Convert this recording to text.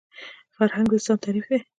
فرهنګ د انسان تعریف دی